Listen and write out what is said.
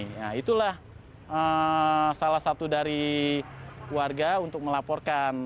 nah itulah salah satu dari warga untuk melaporkan